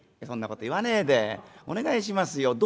「そんなこと言わねえでお願いしますよ。